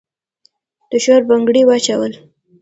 د شور بنګړي واچول